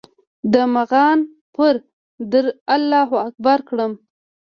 د مغان پر در الله اکبر کړم